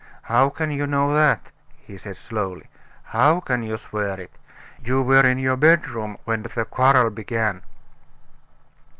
"How can you know that?" he said slowly. "How can you swear it? You were in your bedroom when the quarrel began."